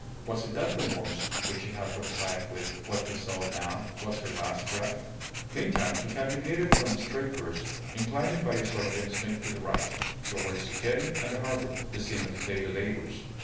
Was it that remorse which she had prophesied with, what he saw now, was her last breath? Meantime, he had deviated from the straight course, inclining by a sort of instinct to the right, towards the jetty and the harbour, the scene of his daily labours.